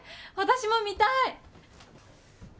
私も見たい！